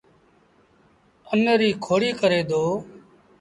اَن ريٚ کوڙيٚ ڪري دو